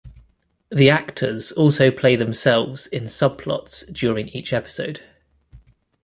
The actors also play themselves in subplots during each episode.